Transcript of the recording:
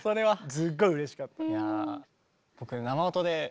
すっごいうれしかった。